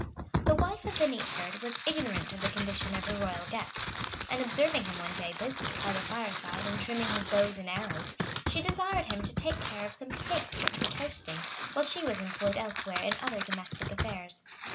The wife of the neat herd was ignorant of the condition of her royal guest; and observing him one day busy, by the fireside, in trimming his bow and arrows, she desired him to take care of some cakes which were toasting, while she was employed elsewhere in other domestic affairs.